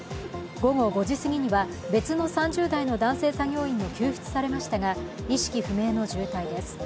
午後５時すぎには別の３０代の男性作業員も救出されましたが意識不明の重体です。